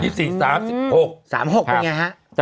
เป็นไงฮะ